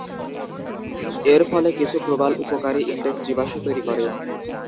এর ফলে কিছু প্রবাল উপকারী ইনডেক্স জীবাশ্ম তৈরি করে।